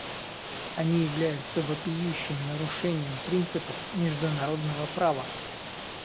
Они являются вопиющим нарушением принципов международного права.